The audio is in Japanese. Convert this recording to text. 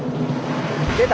出た！